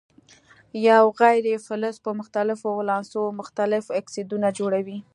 یو غیر فلز په مختلفو ولانسو مختلف اکسایدونه جوړوي.